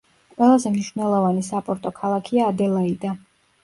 ყველაზე მნიშვნელოვანი საპორტო ქალაქია ადელაიდა.